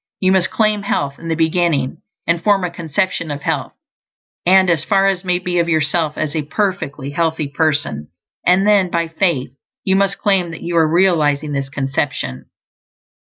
You must claim health in the beginning, and form a conception of health, and, as far as may be, of yourself as a perfectly healthy person; and then, by faith, you must claim that you ARE REALIZING this conception.